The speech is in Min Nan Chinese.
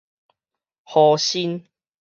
熇身